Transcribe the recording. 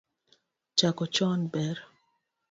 Chako chon ber